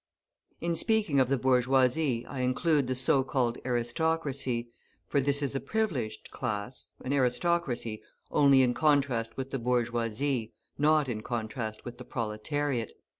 In speaking of the bourgeoisie I include the so called aristocracy, for this is a privileged class, an aristocracy, only in contrast with the bourgeoisie, not in contrast with the proletariat.